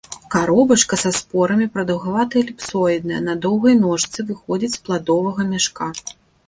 Каробачка са спорамі прадаўгавата-эліпсоідная, на доўгай ножцы, выходзіць з пладовага мяшка.